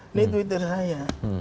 ini twitter saya